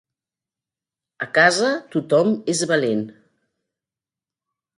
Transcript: A casa tothom és valent